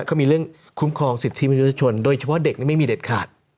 ก็มีเรื่องคุ้มครองสิทธิมนุษยชนโดยเฉพาะเด็กนี่ไม่มีเด็ดขาด